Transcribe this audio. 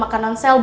lu ulang rhj